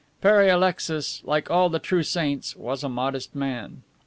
Pere Alexis, like all the true saints, was a modest man.